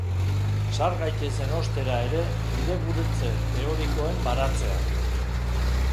Sar gaitezen ostera ere bidegurutze teorikoen baratzean.